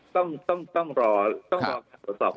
ต้องรอตรวจสอบ